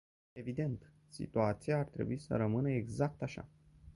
Evident, situația ar trebui să rămână exact așa.